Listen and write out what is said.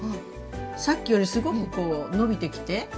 さっきよりすごく伸びてきてねえ